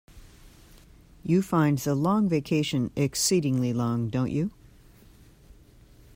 You find the long vacation exceedingly long, don't you?